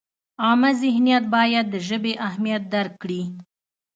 عامه ذهنیت باید د ژبې اهمیت درک کړي.